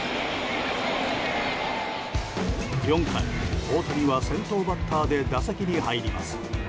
４回、大谷は先頭バッターで打席に入ります。